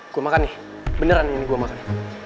gue makan nih beneran ini gue makan